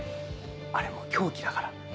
あれもう凶器だから。